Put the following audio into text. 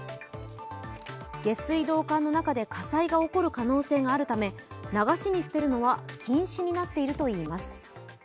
下水道管の中で火災が起こる可能性があるため流しに捨てるのは禁止になっているといいます。